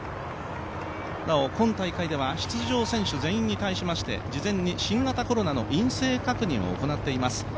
なお、今大会では出場選手全員に対しまして事前に新型コロナの陰性確認を行っています。